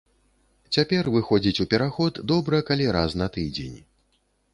Цяпер выходзіць у пераход добра калі раз на тыдзень.